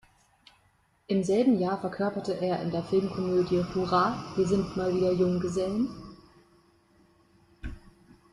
Im selben Jahr verkörperte er in der Filmkomödie "Hurra, wir sind mal wieder Junggesellen!